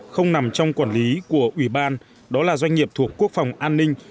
không nằm trong quản lý của ủy ban đó là doanh nghiệp thuộc quốc phòng an ninh